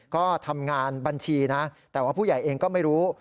ก็ทำงานบัญชีนะแต่ว่าผู้ใหญ่เองก็ไม่รู้